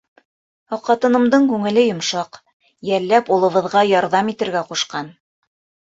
Ә ҡатынымдың күңеле йомшаҡ, йәлләп, улыбыҙға ярҙам итергә ҡушҡан.